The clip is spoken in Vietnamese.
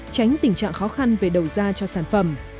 tránh tình trạng khó khăn về đầu ra cho sản phẩm